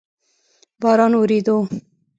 باران اوورېدو؟